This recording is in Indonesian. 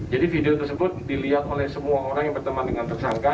jadi video tersebut dilihat oleh semua orang yang berteman dengan tersangka